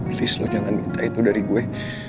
please lo jangan minta itu dari gue